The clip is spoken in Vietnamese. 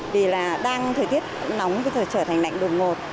vì là đang thời tiết nóng thời trở thành lạnh đột ngột